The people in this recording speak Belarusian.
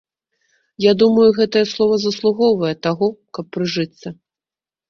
Я думаю, гэтае слова заслугоўвае таго, каб прыжыцца.